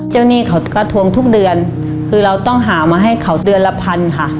หนี้เขาก็ทวงทุกเดือนคือเราต้องหามาให้เขาเดือนละพันค่ะ